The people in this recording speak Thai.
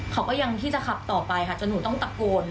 เขาก็ยังที่จะขับต่อไปค่ะจนหนูต้องตะโกน